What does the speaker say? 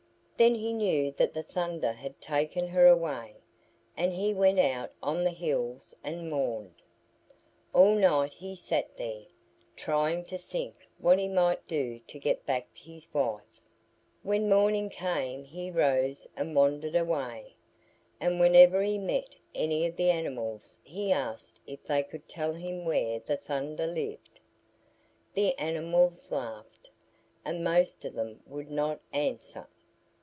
Then he knew that the Thunder had taken her away, and he went out on the hills and mourned. All night he sat there, trying to think what he might do to get back his wife. When morning came he rose and wandered away, and whenever he met any of the animals he asked if they could tell him where the Thunder lived. The animals laughed, and most of them would not answer.